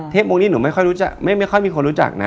วงนี้หนูไม่ค่อยรู้จักไม่ค่อยมีคนรู้จักนะ